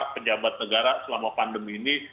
pejabat negara selama pandemi ini